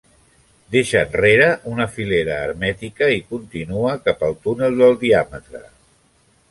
Deixa enrere una filera hermètica i contínua cap al túnel del diàmetre.